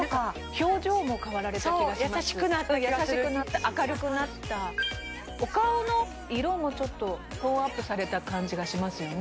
表情も変わられた気がするそう優しくなった気がする優しくなって明るくなったお顔の色もちょっとトーンアップされた感じがしますよね